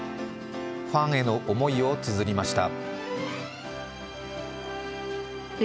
ファンへの思いをつづりました。